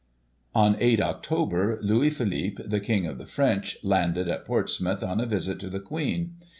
On 8 Oct. Louis Philippe, the King of the French, landed at Portsmouth on a visit to the Queen.